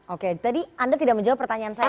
oke tadi anda tidak menjawab pertanyaan saya